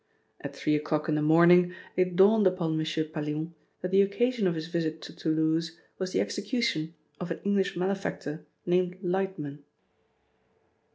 At three o'clock in the morning it dawned upon M. Pallion that the occasion of his visit to Toulouse was the execution of an English malefactor named Lightman.